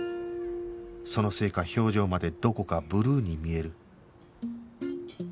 そのせいか表情までどこかブルーに見える